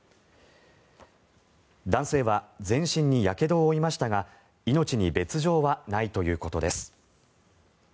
男性は全身にやけどを負いましたが命に別条はないということです。